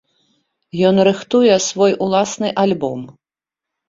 Ён рыхтуе свой уласны альбом.